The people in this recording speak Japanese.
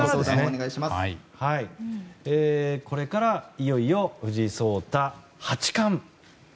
これからいよいよ藤井聡太八冠。